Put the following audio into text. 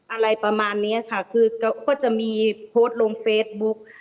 อะไรประมาณนี้ค่ะก็จะมีโพสต์ลงเฟสบุ๊ค